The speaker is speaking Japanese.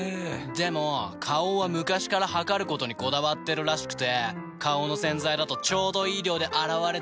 でも花王は昔から量ることにこだわってるらしくて花王の洗剤だとちょうどいい量で洗われてるなって。